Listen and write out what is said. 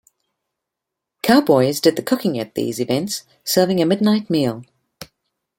Cowboys did the cooking at these events, serving a midnight meal.